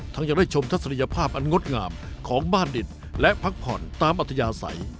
ยังได้ชมทัศนียภาพอันงดงามของบ้านดินและพักผ่อนตามอัธยาศัย